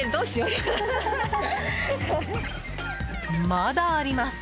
まだあります。